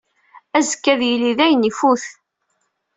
Azekka, ad yili dayen ifut.